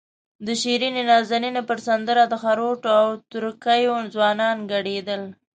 د شیرینې نازنینې پر سندره د خروټو او تره کیو ځوانان ګډېدل.